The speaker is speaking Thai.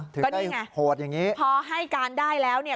ก็นี่ไงโหดอย่างนี้พอให้การได้แล้วเนี่ย